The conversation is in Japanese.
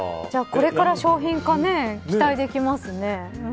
じゃあ、これから商品化に期待できますね。